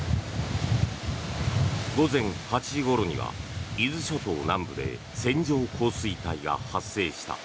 午前８時ごろには伊豆諸島南部で線状降水帯が発生した。